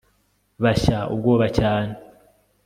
bashya ubwoba cyane